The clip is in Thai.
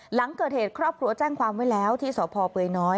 หลังเกิดเหตุครอบครัวแจ้งความไว้แล้วที่สพเปยน้อย